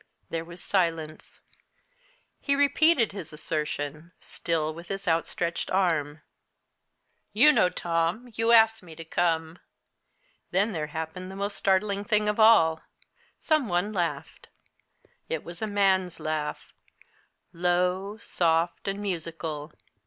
There was silence. He repeated his assertion, still with his outstretched arm. "You know, Tom, you asked me to come." Then there happened the most startling thing of all. Some one laughed. It was a man's laugh low, soft, and musical.